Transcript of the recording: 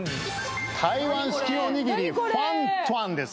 台湾式おにぎりファントァンです